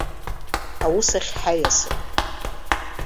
Аус ахь ҳаиасып.